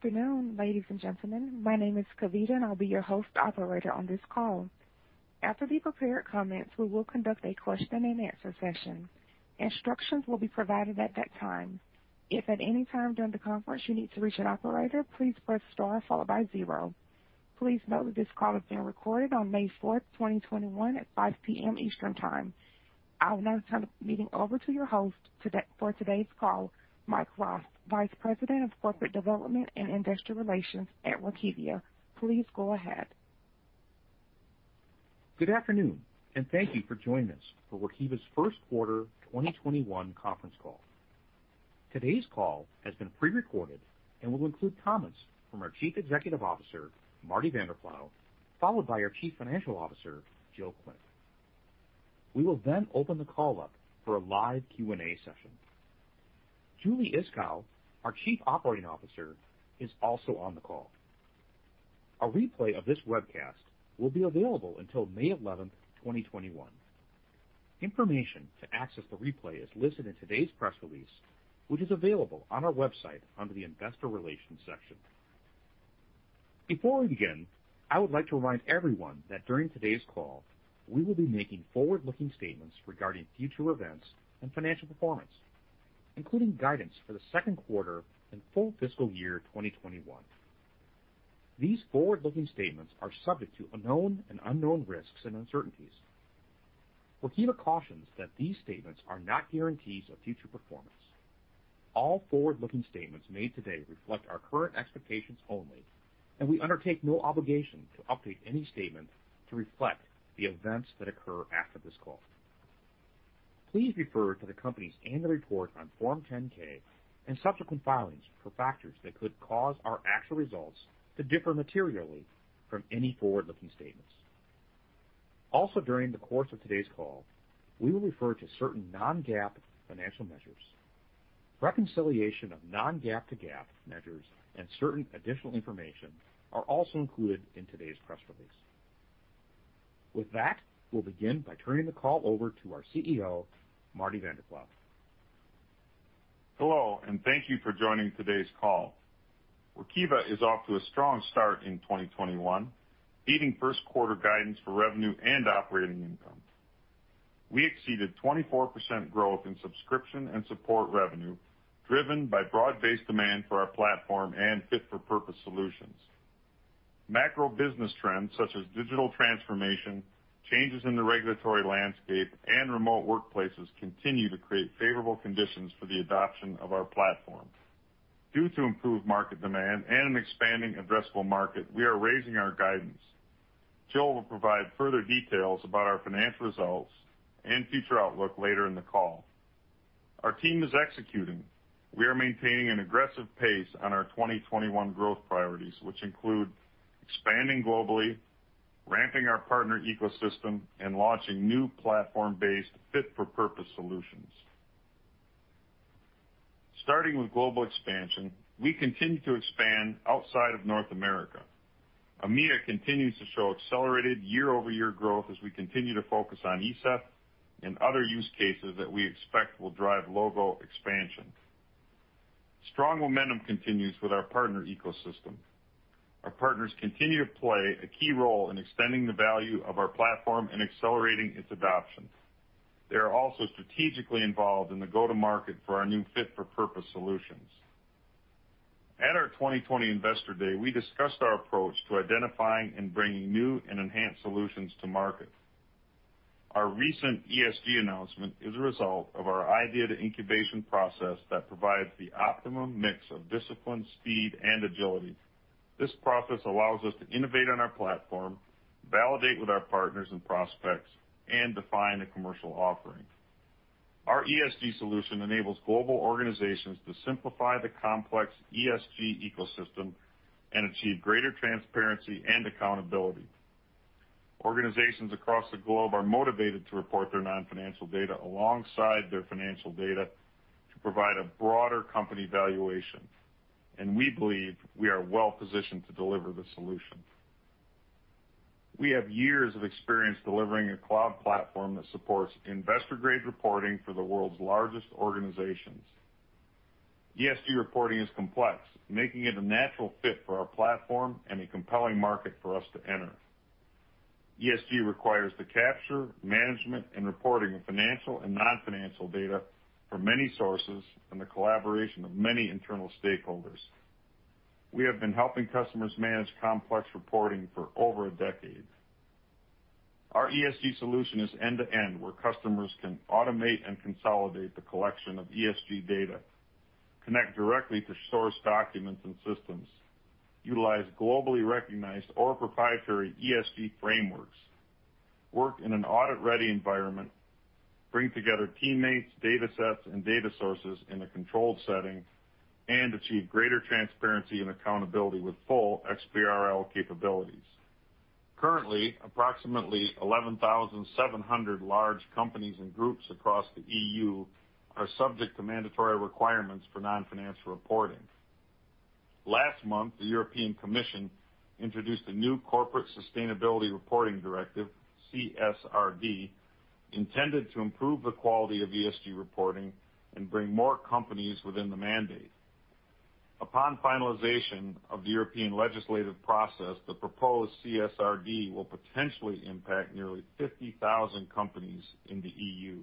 Good afternoon, ladies and gentlemen. My name is Kavita, and I'll be your host operator on this call. After the prepared comments, we will conduct a question-and-answer session. Instructions will be provided at that time. If at any time during the conference you need to reach an operator, please press star followed by zero. Please note that this call is being recorded on May 4th, 2021, at 5:00 P.M. Eastern Time. I will now turn the meeting over to your host for today's call, Mike Rost, Vice President of Corporate Development and Investor Relations at Workiva. Please go ahead. Good afternoon. Thank you for joining us for Workiva's first quarter 2021 conference call. Today's call has been pre-recorded and will include comments from our Chief Executive Officer, Marty Vanderploeg, followed by our Chief Financial Officer, Jill Klindt. We will open the call up for a live Q&A session. Julie Iskow, our Chief Operating Officer, is also on the call. A replay of this webcast will be available until May 11th, 2021. Information to access the replay is listed in today's press release, which is available on our website under the Investor Relations section. Before we begin, I would like to remind everyone that during today's call, we will be making forward-looking statements regarding future events and financial performance, including guidance for the second quarter and full fiscal year 2021. These forward-looking statements are subject to known and unknown risks and uncertainties. Workiva cautions that these statements are not guarantees of future performance. All forward-looking statements made today reflect our current expectations only, and we undertake no obligation to update any statement to reflect the events that occur after this call. Please refer to the company's annual report on Form 10-K and subsequent filings for factors that could cause our actual results to differ materially from any forward-looking statements. Also, during the course of today's call, we will refer to certain non-GAAP financial measures. Reconciliation of non-GAAP to GAAP measures and certain additional information are also included in today's press release. With that, we'll begin by turning the call over to our CEO, Marty Vanderploeg. Hello, thank you for joining today's call. Workiva is off to a strong start in 2021, beating first quarter guidance for revenue and operating income. We exceeded 24% growth in subscription and support revenue, driven by broad-based demand for our platform and fit-for-purpose solutions. Macro business trends such as digital transformation, changes in the regulatory landscape, and remote workplaces continue to create favorable conditions for the adoption of our platform. Due to improved market demand and an expanding addressable market, we are raising our guidance. Jill will provide further details about our financial results and future outlook later in the call. Our team is executing. We are maintaining an aggressive pace on our 2021 growth priorities, which include expanding globally, ramping our partner ecosystem, and launching new platform-based fit-for-purpose solutions. Starting with global expansion, we continue to expand outside of North America. EMEA continues to show accelerated year-over-year growth as we continue to focus on ESEF and other use cases that we expect will drive logo expansion. Strong momentum continues with our partner ecosystem. Our partners continue to play a key role in extending the value of our platform and accelerating its adoption. They are also strategically involved in the go-to-market for our new fit-for-purpose solutions. At our 2020 Investor Day, we discussed our approach to identifying and bringing new and enhanced solutions to market. Our recent ESG announcement is a result of our idea to incubation process that provides the optimum mix of discipline, speed, and agility. This process allows us to innovate on our platform, validate with our partners and prospects, and define a commercial offering. Our ESG solution enables global organizations to simplify the complex ESG ecosystem and achieve greater transparency and accountability. Organizations across the globe are motivated to report their non-financial data alongside their financial data to provide a broader company valuation, and we believe we are well-positioned to deliver the solution. We have years of experience delivering a cloud platform that supports investor-grade reporting for the world's largest organizations. ESG reporting is complex, making it a natural fit for our platform and a compelling market for us to enter. ESG requires the capture, management, and reporting of financial and non-financial data from many sources and the collaboration of many internal stakeholders. We have been helping customers manage complex reporting for over a decade. Our ESG solution is end-to-end, where customers can automate and consolidate the collection of ESG data, connect directly to source documents and systems, utilize globally recognized or proprietary ESG frameworks, work in an audit-ready environment, bring together teammates, datasets, and data sources in a controlled setting, and achieve greater transparency and accountability with full XBRL capabilities. Currently, approximately 11,700 large companies and groups across the EU are subject to mandatory requirements for non-financial reporting. Last month, the European Commission introduced a new Corporate Sustainability Reporting Directive, CSRD, intended to improve the quality of ESG reporting and bring more companies within the mandate. Upon finalization of the European legislative process, the proposed CSRD will potentially impact nearly 50,000 companies in the EU.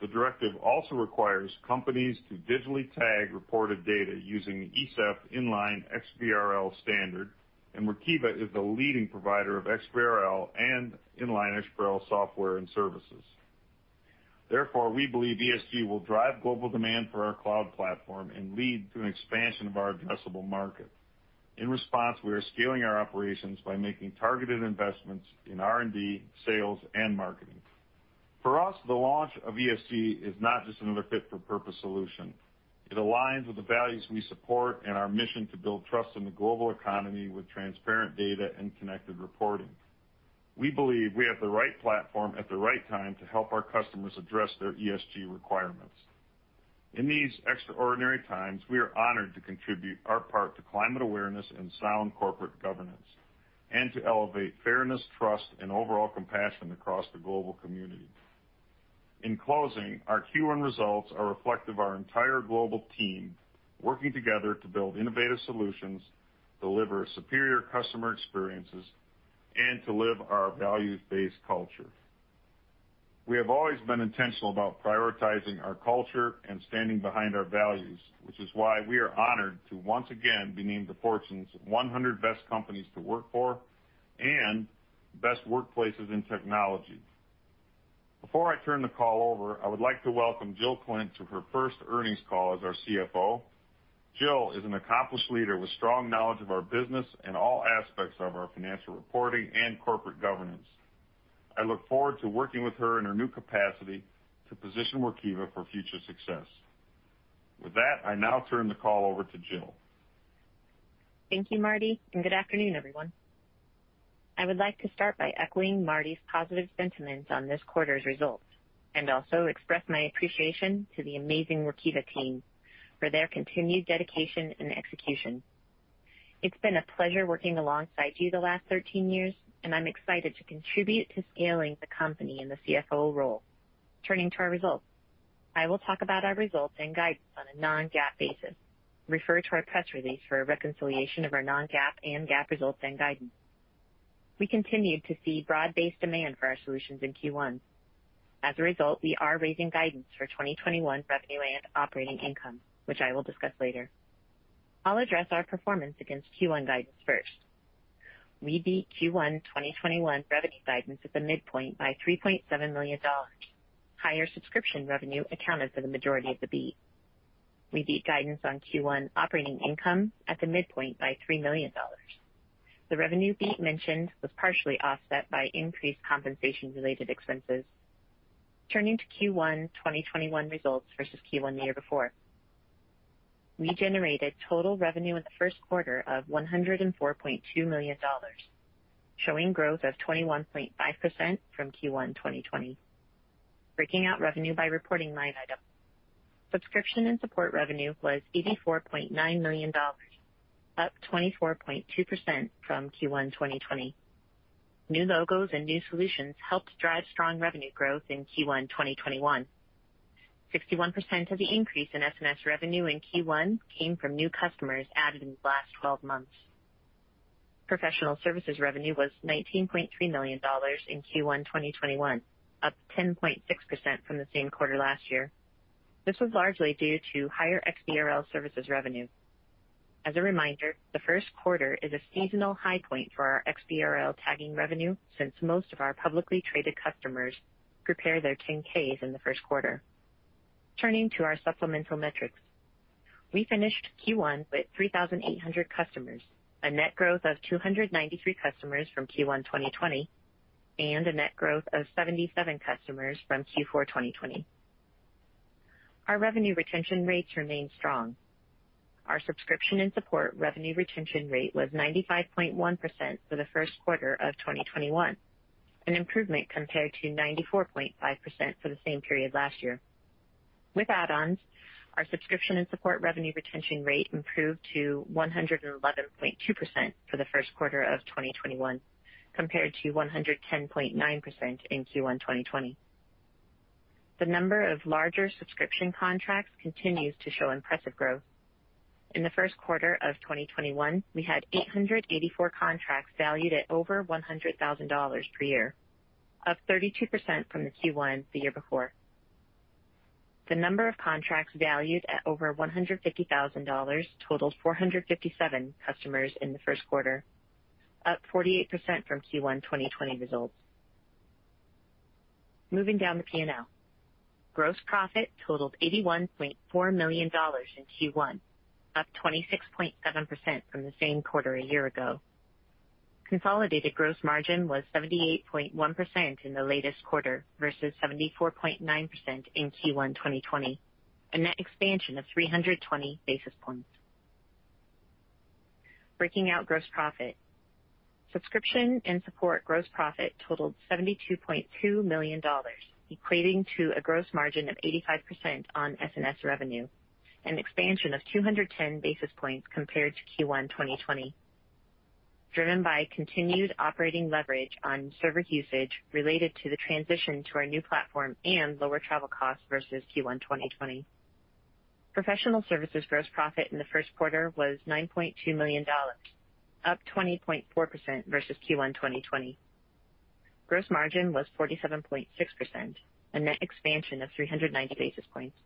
The directive also requires companies to digitally tag reported data using the ESEF Inline XBRL standard, and Workiva is the leading provider of XBRL and Inline XBRL software and services. Therefore, we believe ESG will drive global demand for our cloud platform and lead to an expansion of our addressable market. In response, we are scaling our operations by making targeted investments in R&D, sales, and marketing. For us, the launch of ESG is not just another fit-for-purpose solution. It aligns with the values we support and our mission to build trust in the global economy with transparent data and connected reporting. We believe we have the right platform at the right time to help our customers address their ESG requirements. In these extraordinary times, we are honored to contribute our part to climate awareness and sound corporate governance, and to elevate fairness, trust, and overall compassion across the global community. In closing, our Q1 results are reflective of our entire global team working together to build innovative solutions, deliver superior customer experiences, and to live our values-based culture. We have always been intentional about prioritizing our culture and standing behind our values, which is why we are honored to once again be named to Fortune's 100 Best Companies to Work For and Best Workplaces in Technology. Before I turn the call over, I would like to welcome Jill Klindt to her first earnings call as our CFO. Jill is an accomplished leader with strong knowledge of our business and all aspects of our financial reporting and corporate governance. I look forward to working with her in her new capacity to position Workiva for future success. With that, I now turn the call over to Jill. Thank you, Marty. Good afternoon, everyone. I would like to start by echoing Marty's positive sentiments on this quarter's results and also express my appreciation to the amazing Workiva team for their continued dedication and execution. It's been a pleasure working alongside you the last 13 years, and I'm excited to contribute to scaling the company in the CFO role. Turning to our results. I will talk about our results and guidance on a non-GAAP basis. Refer to our press release for a reconciliation of our non-GAAP and GAAP results and guidance. We continued to see broad-based demand for our solutions in Q1. As a result, we are raising guidance for 2021 revenue and operating income, which I will discuss later. I'll address our performance against Q1 guidance first. We beat Q1 2021 revenue guidance at the midpoint by $3.7 million. Higher subscription revenue accounted for the majority of the beat. We beat guidance on Q1 operating income at the midpoint by $3 million. The revenue beat mentioned was partially offset by increased compensation-related expenses. Turning to Q1 2021 results versus Q1 the year before. We generated total revenue in the first quarter of $104.2 million, showing growth of 21.5% from Q1 2020. Breaking out revenue by reporting line item. Subscription and support revenue was $84.9 million, up 24.2% from Q1 2020. New logos and new solutions helped drive strong revenue growth in Q1 2021. 61% of the increase in S&S revenue in Q1 came from new customers added in the last 12 months. Professional services revenue was $19.3 million in Q1 2021, up 10.6% from the same quarter last year. This was largely due to higher XBRL services revenue. As a reminder, the first quarter is a seasonal high point for our XBRL tagging revenue, since most of our publicly traded customers prepare their 10-Ks in the first quarter. Turning to our supplemental metrics. We finished Q1 with 3,800 customers, a net growth of 293 customers from Q1 2020, and a net growth of 77 customers from Q4 2020. Our revenue retention rates remain strong. Our subscription and support revenue retention rate was 95.1% for the first quarter of 2021, an improvement compared to 94.5% for the same period last year. With add-ons, our subscription and support revenue retention rate improved to 111.2% for the first quarter of 2021, compared to 110.9% in Q1 2020. The number of larger subscription contracts continues to show impressive growth. In the first quarter of 2021, we had 884 contracts valued at over $100,000 per year, up 32% from the Q1 the year before. The number of contracts valued at over $150,000 totals 457 customers in the first quarter, up 48% from Q1 2020 results. Moving down the P&L. Gross profit totaled $81.4 million in Q1, up 26.7% from the same quarter a year ago. Consolidated gross margin was 78.1% in the latest quarter versus 74.9% in Q1 2020, a net expansion of 320 basis points. Breaking out gross profit. Subscription and support gross profit totaled $72.2 million, equating to a gross margin of 85% on S&S revenue, an expansion of 210 basis points compared to Q1 2020. Driven by continued operating leverage on server usage related to the transition to our new platform and lower travel costs versus Q1 2020. Professional services gross profit in the first quarter was $9.2 million, up 20.4% versus Q1 2020. Gross margin was 47.6%, a net expansion of 390 basis points.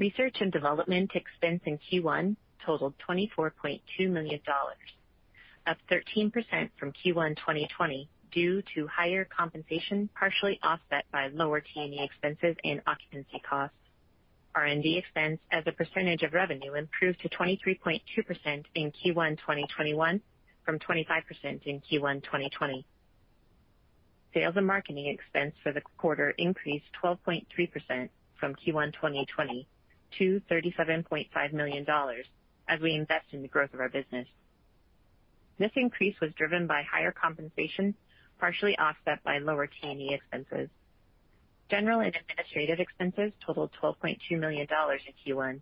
Research and development expense in Q1 totaled $24.2 million, up 13% from Q1 2020 due to higher compensation, partially offset by lower T&E expenses and occupancy costs. R&D expense as a percentage of revenue improved to 23.2% in Q1 2021 from 25% in Q1 2020. Sales and marketing expense for the quarter increased 12.3% from Q1 2020 to $37.5 million as we invest in the growth of our business. This increase was driven by higher compensation, partially offset by lower T&E expenses. General and administrative expenses totaled $12.2 million in Q1,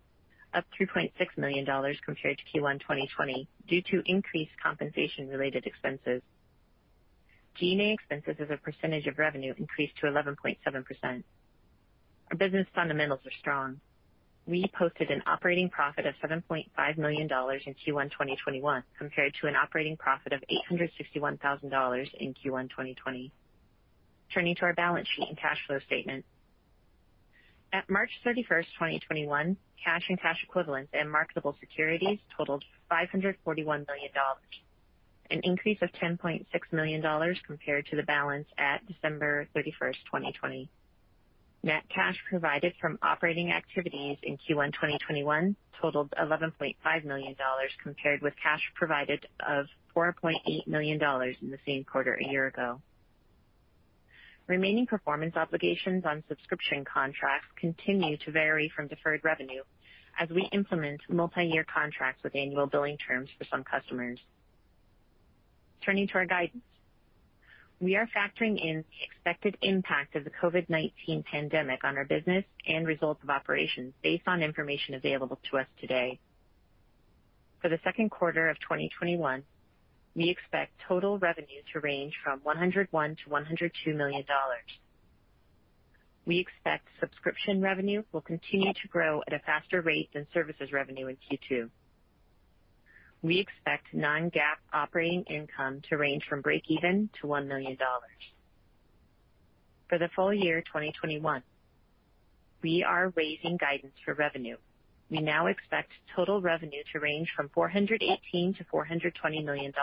up $3.6 million compared to Q1 2020 due to increased compensation-related expenses. G&A expenses as a percentage of revenue increased to 11.7%. Our business fundamentals are strong. We posted an operating profit of $7.5 million in Q1 2021 compared to an operating profit of $861,000 in Q1 2020. Turning to our balance sheet and cash flow statement. At March 31st, 2021, cash and cash equivalents and marketable securities totaled $541 million, an increase of $10.6 million compared to the balance at December 31st, 2020. Net cash provided from operating activities in Q1 2021 totaled $11.5 million, compared with cash provided of $4.8 million in the same quarter a year ago. Remaining performance obligations on subscription contracts continue to vary from deferred revenue as we implement multi-year contracts with annual billing terms for some customers. Turning to our guidance. We are factoring in the expected impact of the COVID-19 pandemic on our business and results of operations based on information available to us today. For the second quarter of 2021, we expect total revenue to range from $101 million-$102 million. We expect subscription revenue will continue to grow at a faster rate than services revenue in Q2. We expect non-GAAP operating income to range from break even to $1 million. For the full year 2021, we are raising guidance for revenue. We now expect total revenue to range from $418 million-$420 million.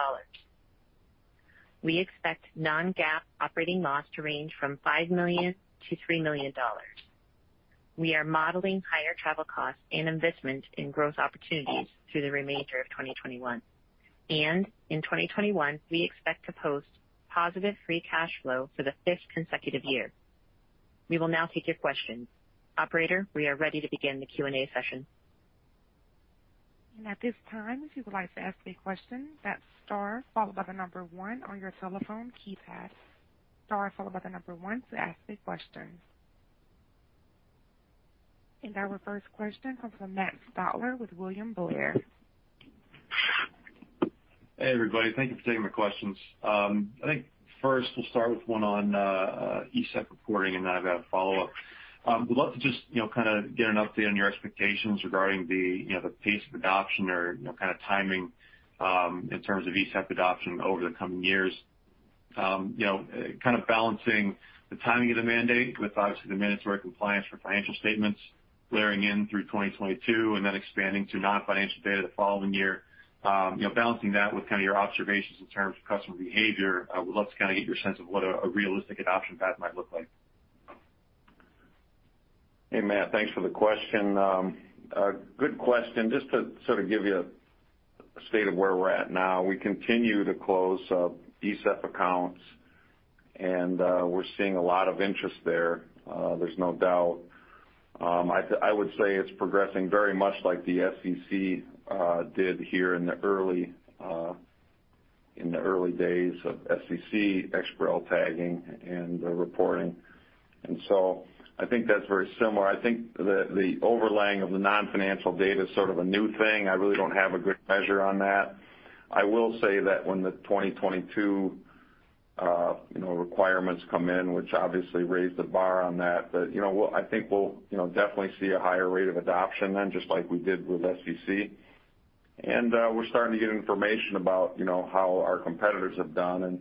We expect non-GAAP operating loss to range from $5 million-$3 million. We are modeling higher travel costs and investment in growth opportunities through the remainder of 2021. In 2021, we expect to post positive free cash flow for the fifth consecutive year. We will now take your questions. Operator, we are ready to begin the Q&A session. At this time, if you would like to ask a question, that's star followed by the number one on your telephone keypad. Star followed by the number one to ask a question. Our first question comes from Matt Stotler with William Blair. Hey, everybody. Thank you for taking my questions. I think first we'll start with one on ESEF reporting and then I have a follow-up. Would love to just kind of get an update on your expectations regarding the pace of adoption or kind of timing, in terms of ESEF adoption over the coming years. Kind of balancing the timing of the mandate with obviously the mandatory compliance for financial statements layering in through 2022 and then expanding to non-financial data the following year. Balancing that with kind of your observations in terms of customer behavior, I would love to kind of get your sense of what a realistic adoption path might look like. Hey, Matt. Thanks for the question. Good question. Just to sort of give you a state of where we're at now, we continue to close ESEF accounts, and we're seeing a lot of interest there. There's no doubt. I would say it's progressing very much like the SEC did here in the early days of SEC XBRL tagging and reporting. I think that's very similar. I think the overlaying of the non-financial data is sort of a new thing. I really don't have a good measure on that. I will say that when the 2022 requirements come in, which obviously raised the bar on that I think we'll definitely see a higher rate of adoption then, just like we did with SEC. We're starting to get information about how our competitors have done, and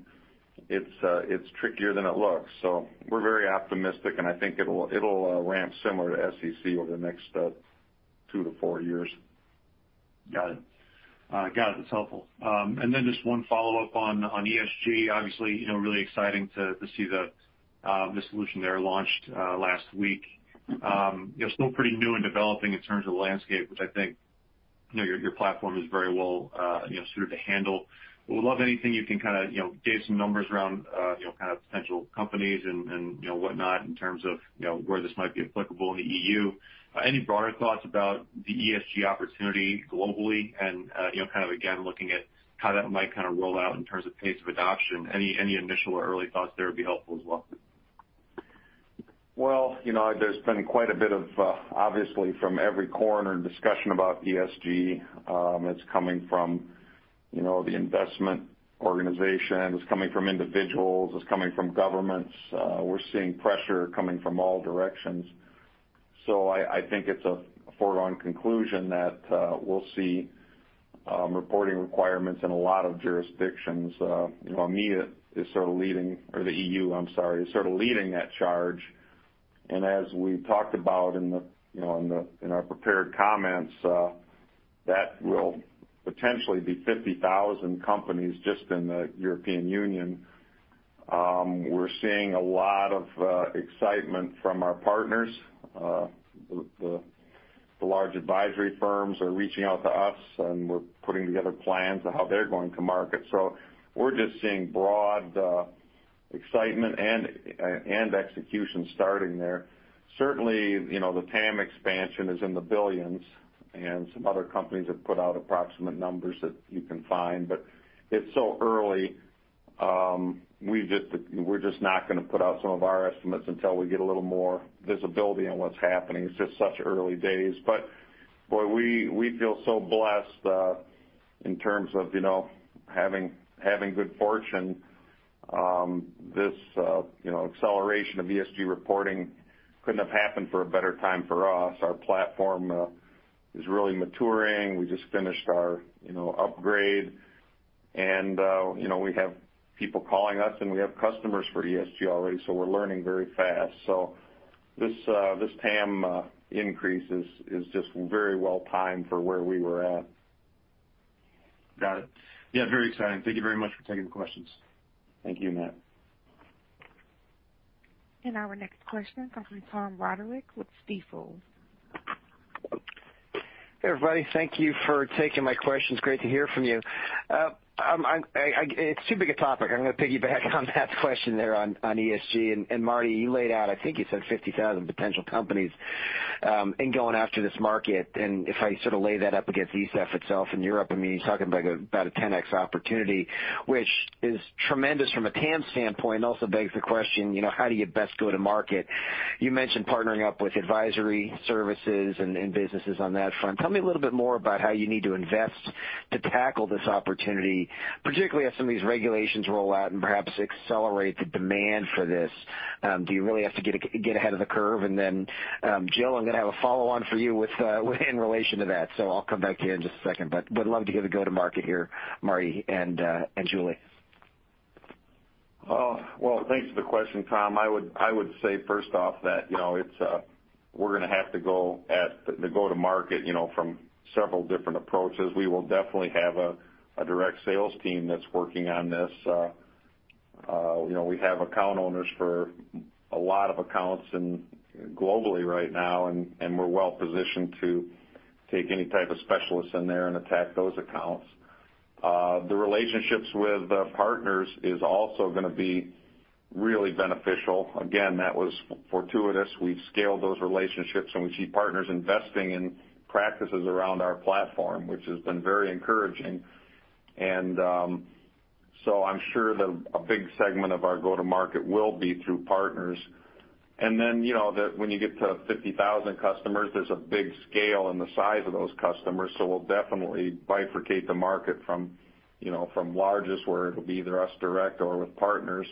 it's trickier than it looks. We're very optimistic, and I think it'll ramp similar to SEC over the next two to four years. Got it. That's helpful. Just one follow-up on ESG. Obviously, really exciting to see the solution there launched last week. Still pretty new and developing in terms of the landscape, which I think your platform is very well suited to handle. Would love anything you can kind of give some numbers around potential companies and whatnot in terms of where this might be applicable in the EU. Any broader thoughts about the ESG opportunity globally and kind of, again, looking at how that might kind of roll out in terms of pace of adoption. Any initial or early thoughts there would be helpful as well. Well, there's been quite a bit of, obviously from every corner, discussion about ESG. It's coming from the investment organizations, coming from individuals, it's coming from governments. We're seeing pressure coming from all directions. I think it's a foregone conclusion that we'll see reporting requirements in a lot of jurisdictions. EMEA is sort of leading, or the EU, I'm sorry, is sort of leading that charge. As we talked about in our prepared comments, that will potentially be 50,000 companies just in the European Union. We're seeing a lot of excitement from our partners. The large advisory firms are reaching out to us, and we're putting together plans of how they're going to market. We're just seeing broad excitement and execution starting there. Certainly, the TAM expansion is in the billions, and some other companies have put out approximate numbers that you can find, but it's so early. We're just not going to put out some of our estimates until we get a little more visibility on what's happening. It's just such early days. Boy, we feel so blessed in terms of having good fortune. This acceleration of ESG reporting couldn't have happened for a better time for us. Our platform is really maturing. We just finished our upgrade, and we have people calling us, and we have customers for ESG already, so we're learning very fast. This TAM increase is just very well timed for where we were at. Got it. Yeah, very exciting. Thank you very much for taking the questions. Thank you, Matt. Our next question comes from Tom Roderick with Stifel. Hey, everybody. Thank you for taking my questions. Great to hear from you. It's too big a topic. I'm going to piggyback on Matt's question there on ESG. Marty, you laid out, I think you said 50,000 potential companies in going after this market. If I sort of lay that up against ESEF itself in Europe, I mean, you're talking about a 10X opportunity, which is tremendous from a TAM standpoint, and also begs the question, how do you best go to market? You mentioned partnering up with advisory services and businesses on that front. Tell me a little bit more about how you need to invest to tackle this opportunity, particularly as some of these regulations roll out and perhaps accelerate the demand for this. Do you really have to get ahead of the curve? Jill, I'm going to have a follow-on for you in relation to that. I'll come back to you in just a second, but would love to hear the go-to-market here, Marty and Julie. Well, thanks for the question, Tom. I would say first off that we're going to have to go to market from several different approaches. We will definitely have a direct sales team that's working on this. We have account owners for a lot of accounts globally right now, and we're well positioned to take any type of specialist in there and attack those accounts. The relationships with partners is also going to be really beneficial. Again, that was fortuitous. We've scaled those relationships, and we see partners investing in practices around our platform, which has been very encouraging. I'm sure a big segment of our go-to-market will be through partners. When you get to 50,000 customers, there's a big scale in the size of those customers. We'll definitely bifurcate the market from largest, where it'll be either us direct or with partners,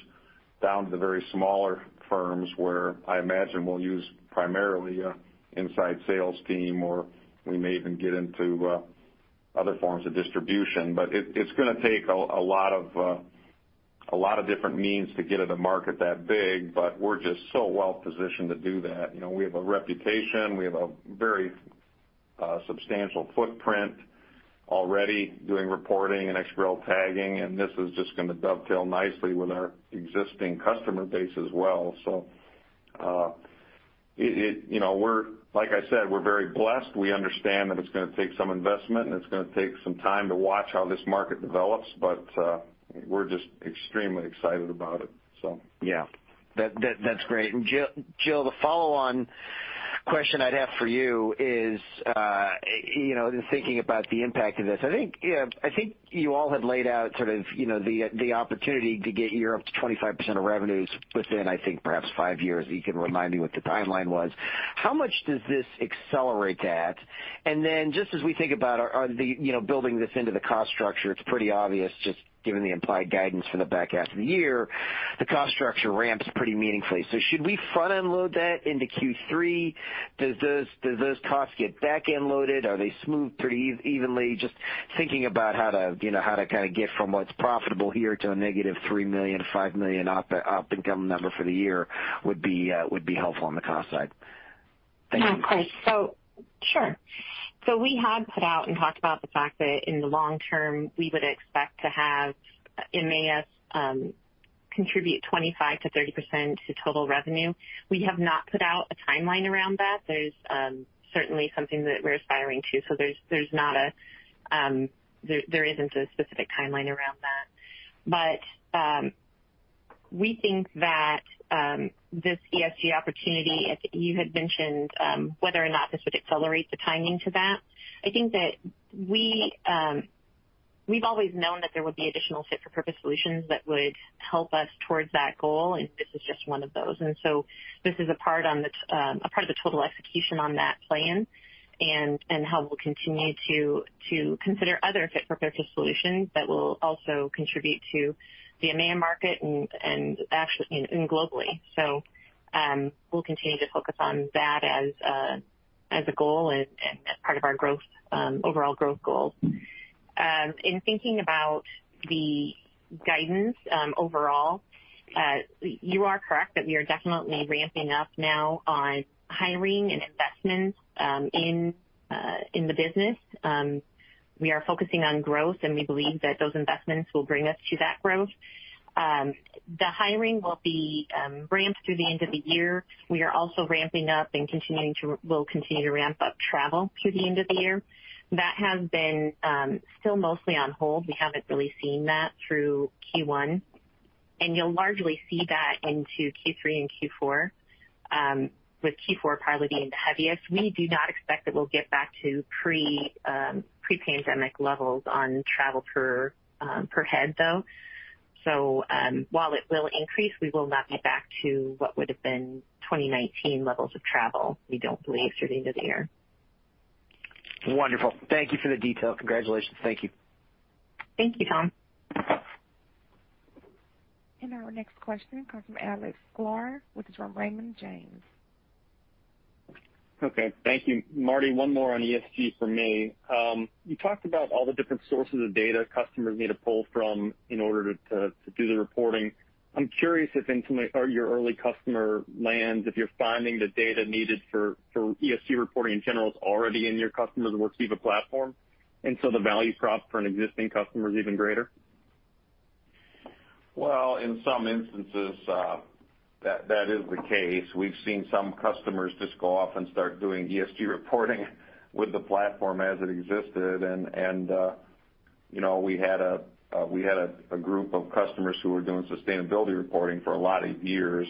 down to the very smaller firms, where I imagine we'll use primarily an inside sales team, or we may even get into other forms of distribution. It's going to take a lot of different means to get at a market that big, but we're just so well positioned to do that. We have a reputation. We have a very substantial footprint already doing reporting and XBRL tagging, and this is just going to dovetail nicely with our existing customer base as well. Like I said, we're very blessed. We understand that it's going to take some investment, and it's going to take some time to watch how this market develops, but we're just extremely excited about it. Yeah. That's great. Jill, the follow-on question I'd have for you is, in thinking about the impact of this, I think you all had laid out sort of the opportunity to get Europe to 25% of revenues within, I think, perhaps five years. You can remind me what the timeline was. How much does this accelerate that? Then just as we think about building this into the cost structure, it's pretty obvious, just given the implied guidance for the back half of the year, the cost structure ramps pretty meaningfully. Should we front-end load that into Q3? Do those costs get back-end loaded? Are they smoothed pretty evenly? Just thinking about how to kind of get from what's profitable here to a -$3 million to -$5 million op income number for the year would be helpful on the cost side. Thank you. Yeah, of course. Sure. We had put out and talked about the fact that in the long term, we would expect to have EMEA contribute 25%-30% to total revenue. We have not put out a timeline around that. That is certainly something that we're aspiring to. There isn't a specific timeline around that. We think that this ESG opportunity, as you had mentioned, whether or not this would accelerate the timing to that, I think that we've always known that there would be additional fit-for-purpose solutions that would help us towards that goal, and this is just one of those. This is a part of the total execution on that plan and how we'll continue to consider other fit-for-purpose solutions that will also contribute to the EMEA market and globally. We'll continue to focus on that as a goal and as part of our overall growth goals. In thinking about the guidance overall, you are correct that we are definitely ramping up now on hiring and investments in the business. We are focusing on growth, and we believe that those investments will bring us to that growth. The hiring will be ramped through the end of the year. We are also ramping up, and will continue to ramp up travel through the end of the year. That has been still mostly on hold. We haven't really seen that through Q1. You'll largely see that into Q3 and Q4, with Q4 probably being the heaviest. We do not expect that we'll get back to pre-pandemic levels on travel per head, though. While it will increase, we will not get back to what would've been 2019 levels of travel, we don't believe, through the end of the year. Wonderful. Thank you for the detail. Congratulations. Thank you. Thank you, Tom. Our next question comes from Alex Sklar with Raymond James. Okay, thank you. Marty, one more on ESG from me. You talked about all the different sources of data customers need to pull from in order to do the reporting. I'm curious if your early customer lands, if you're finding the data needed for ESG reporting in general is already in your customers' Workiva platform, the value prop for an existing customer is even greater? Well, in some instances, that is the case. We've seen some customers just go off and start doing ESG reporting with the platform as it existed, and we had a group of customers who were doing sustainability reporting for a lot of years.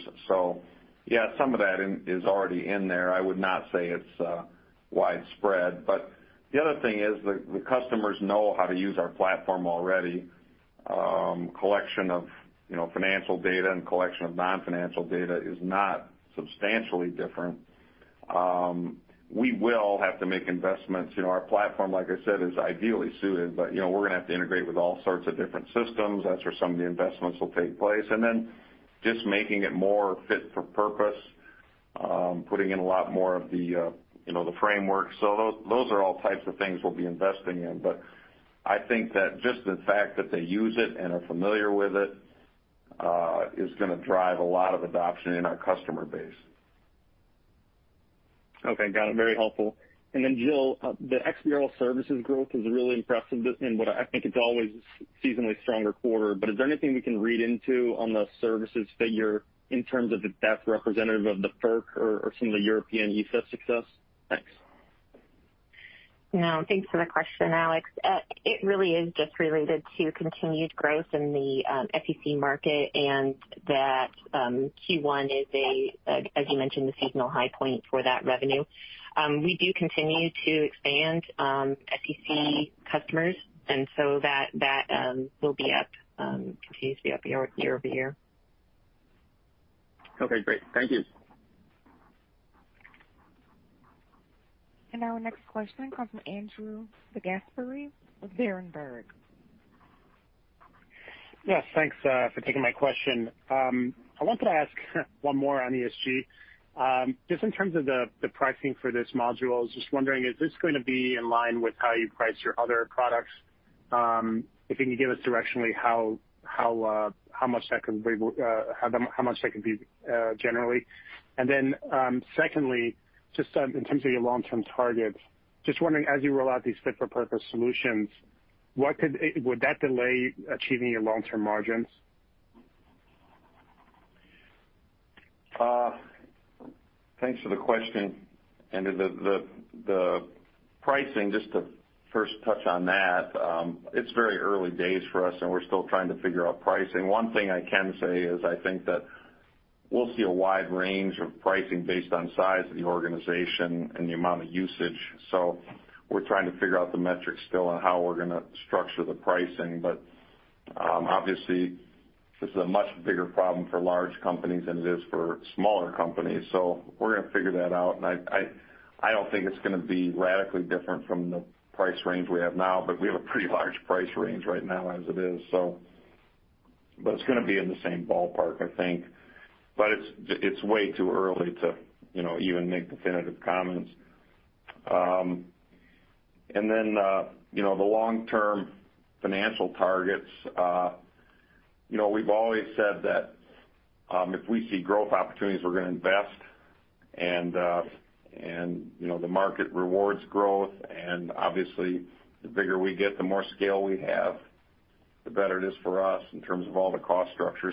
Yeah, some of that is already in there. I would not say it's widespread. The other thing is the customers know how to use our platform already. Collection of financial data and collection of non-financial data is not substantially different. We will have to make investments. Our platform, like I said, is ideally suited, but we're going to have to integrate with all sorts of different systems. That's where some of the investments will take place. Just making it more fit for purpose, putting in a lot more of the frameworks. Those are all types of things we'll be investing in. I think that just the fact that they use it and are familiar with it is going to drive a lot of adoption in our customer base. Okay, got it. Very helpful. Then Jill, the XBRL services growth is really impressive in what I think it's always a seasonally stronger quarter. Is there anything we can read into on the services figure in terms of if that's representative of the FERC or some of the European ESEF success? Thanks. No, thanks for the question, Alex. It really is just related to continued growth in the FTC market, and that Q1 is a, as you mentioned, the seasonal high point for that revenue. We do continue to expand FTC customers, and so that will continue to be up year-over-year. Okay, great. Thank you. Our next question comes from Andrew DeGasperi of Berenberg. Yes, thanks for taking my question. I wanted to ask one more on ESG. Just in terms of the pricing for this module, I was just wondering, is this going to be in line with how you price your other products? If you can give us directionally how much that could be generally. Secondly, just in terms of your long-term targets, just wondering, as you roll out these fit-for-purpose solutions, would that delay achieving your long-term margins? Thanks for the question, Andrew. The pricing, just to first touch on that, it's very early days for us, and we're still trying to figure out pricing. One thing I can say is I think that we'll see a wide range of pricing based on size of the organization and the amount of usage. We're trying to figure out the metrics still on how we're going to structure the pricing. Obviously, this is a much bigger problem for large companies than it is for smaller companies. We're going to figure that out, and I don't think it's going to be radically different from the price range we have now, but we have a pretty large price range right now as it is. It's going to be in the same ballpark, I think. It's way too early to even make definitive comments. The long-term financial targets. We've always said that if we see growth opportunities, we're going to invest. The market rewards growth, and obviously, the bigger we get, the more scale we have, the better it is for us in terms of all the cost structure.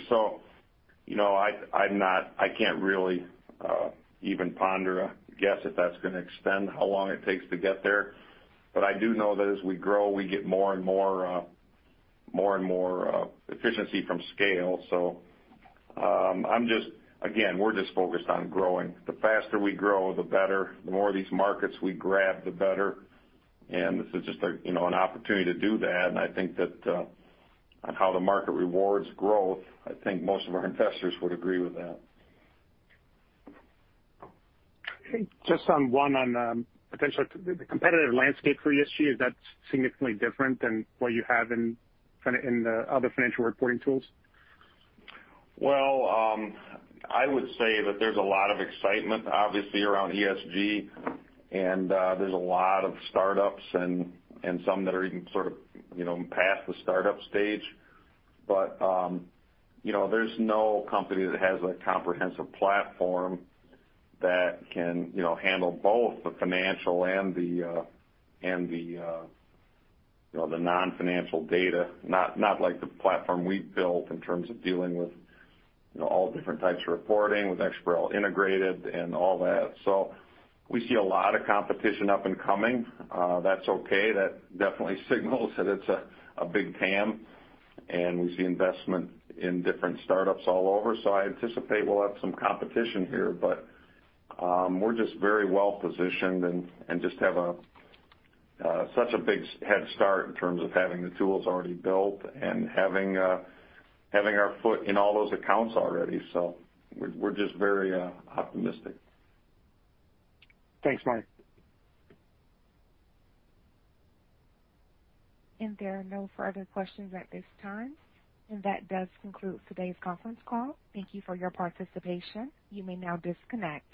I can't really even ponder a guess if that's going to extend how long it takes to get there. I do know that as we grow, we get more and more efficiency from scale. Again, we're just focused on growing. The faster we grow, the better. The more of these markets we grab, the better. This is just an opportunity to do that, and I think that on how the market rewards growth, I think most of our investors would agree with that. Just one on the competitive landscape for ESG, is that significantly different than what you have in the other financial reporting tools? I would say that there's a lot of excitement, obviously, around ESG, and there's a lot of startups and some that are even sort of past the startup stage. There's no company that has a comprehensive platform that can handle both the financial and the non-financial data, not like the platform we've built in terms of dealing with all different types of reporting, with XBRL integrated and all that. We see a lot of competition up and coming. That's okay. That definitely signals that it's a big TAM, and we see investment in different startups all over. I anticipate we'll have some competition here, but we're just very well positioned and just have such a big head start in terms of having the tools already built and having our foot in all those accounts already. We're just very optimistic. Thanks, Marty. There are no further questions at this time. That does conclude today's conference call. Thank you for your participation. You may now disconnect.